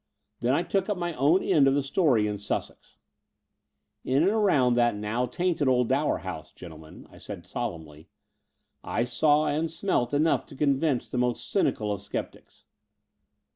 Then I took up my own end of the story in Sussex. In and round that now tainted old Dower House, gentlemen," I said solemnly, I saw and smelt enough to convince the most cynical of scep tics.